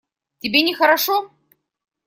Тебе нехорошо?